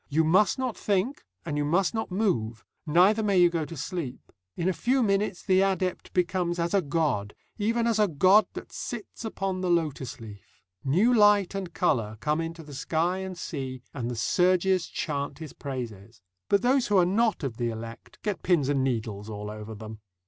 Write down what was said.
You must not think, and you must not move, neither may you go to sleep. In a few minutes the adept becomes as a god, even as a god that sits upon the lotus leaf. New light and colour come into the sky and sea, and the surges chant his praises. But those who are not of the elect get pins and needles all over them.